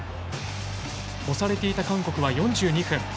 押されていた韓国は４２分。